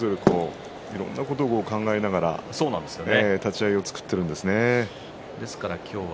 人それぞれいろんなこと考えながら立ち合いを作っているんですね。